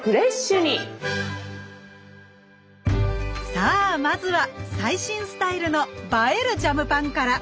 さあまずは最新スタイルの映えるジャムパンから。